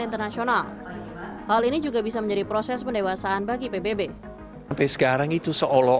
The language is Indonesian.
internasional hal ini juga bisa menjadi proses pendewasaan bagi pbb sampai sekarang itu seolah